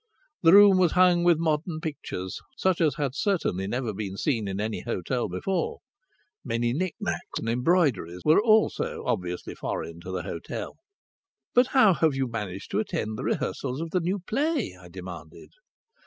The room was hung with modern pictures, such as had certainly never been seen in any hotel before. Many knick knacks and embroideries were also obviously foreign to the hotel. "But how have you managed to attend the rehearsals of the new play?" I demanded.